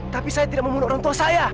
tapi saya tidak membunuh orang tua saya